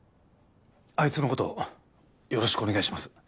あいつの事よろしくお願いします。